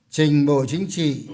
trình bộ chính trị